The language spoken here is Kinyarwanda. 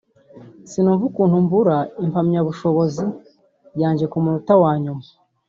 sinumva ukuntu mbura impamyabushobozi yanjye ku munota wanyuma